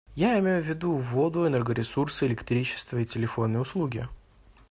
Я имею в виду воду, энергоресурсы, электричество и телефонные услуги.